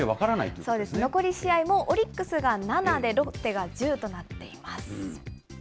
そうですね、残り試合もオリックスが７で、ロッテが１０となっています。